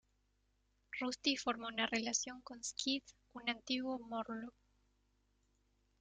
Rusty forma una relación con Skids, un antiguo Morlock.